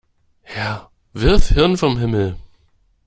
Herr, wirf Hirn vom Himmel!